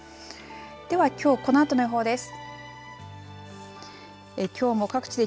ではきょうこのあとの予想です。